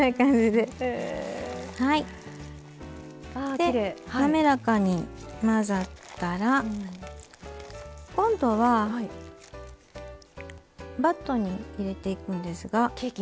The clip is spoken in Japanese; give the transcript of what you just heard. で滑らかに混ざったら今度はバットに入れていくんですが。